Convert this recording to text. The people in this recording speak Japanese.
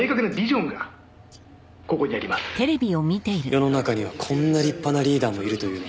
世の中にはこんな立派なリーダーもいるというのに。